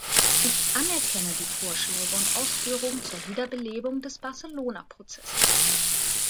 Ich anerkenne die Vorschläge und Ausführungen zur Wiederbelebung des Barcelona-Prozesses.